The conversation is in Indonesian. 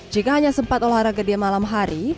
jika hanya sempat olahraga di malam hari